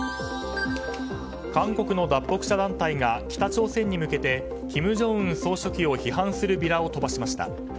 韓国の脱北者団体が北朝鮮に向けて金正恩総書記を批判するビラを飛ばしました。